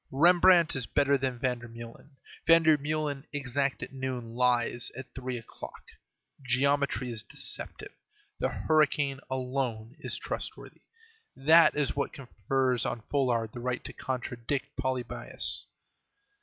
Rembrandt is better than Vandermeulen; Vandermeulen, exact at noon, lies at three o'clock. Geometry is deceptive; the hurricane alone is trustworthy. That is what confers on Folard the right to contradict Polybius.